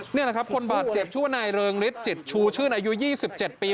นี่แหละครับคนบาดเจ็บชื่อว่านายเริงฤทธิจิตชูชื่นอายุ๒๗ปี